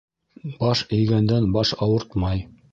Баш эйгәндән баш ауыртмай.